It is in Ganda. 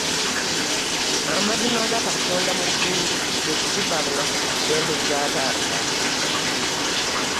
Amazima ga Katonda mu ggulu nze ssibbanga ku ssente za taata.